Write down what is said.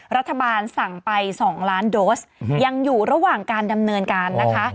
รัฐบาลสั่งไป๒ล้านโดสยังอยู่ระหว่างการดำเนินการนะคะ